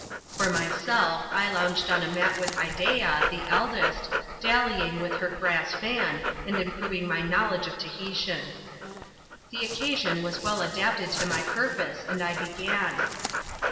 For myself, I lounged on a mat with Ideea, the eldest, dallying with her grass fan, and improving my knowledge of Tahitian. The occasion was well adapted to my purpose, and I began.